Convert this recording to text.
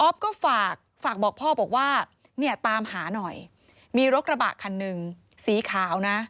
ก็ฝากฝากบอกพ่อบอกว่าเนี่ยตามหาหน่อยมีรถกระบะคันหนึ่งสีขาวนะ